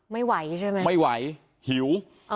ไม่ไหวใช่ไหมไม่ไหวหิว